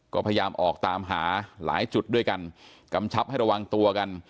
ก็พยายามออกตามหาหลายจุดด้วยกันกำชับให้ระวังตัวกัน